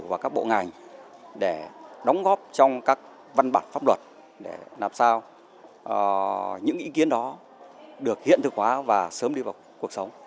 và các bộ ngành để đóng góp trong các văn bản pháp luật để làm sao những ý kiến đó được hiện thực hóa và sớm đi vào cuộc sống